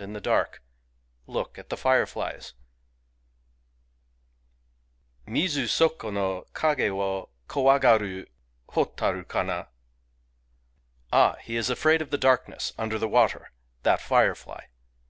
Digitized by Googk i62 FIREFLIES Mizu soko no Kage wo kowagaru Hotaru kana! Ah, he is afraid of the darkness under the water, — that firefly